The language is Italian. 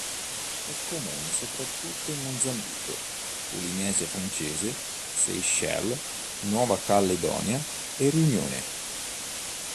È comune soprattutto in Mozambico, Polinesia Francese, Seychelles, Nuova Caledonia e Riunione.